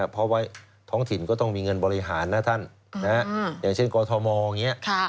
เพราะว่าท้องถิ่นก็ต้องมีเงินบริหารนะท่านอย่างเช่นกอทมอย่างนี้